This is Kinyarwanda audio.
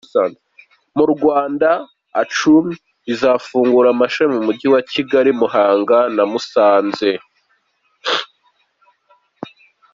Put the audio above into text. Mu Rwanda, Uchumi izafungura amashami mu Mujyi wa Kigali, Muhanga na Musanze.